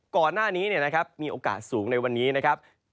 ก่อนหน้านี้มีโอกาสสูงในวันนี้นะครับ